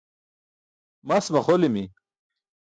Mas maxolimi.